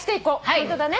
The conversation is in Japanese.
ホントだね。